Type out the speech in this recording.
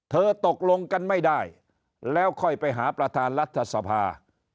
ตกลงกันไม่ได้แล้วค่อยไปหาประธานรัฐสภา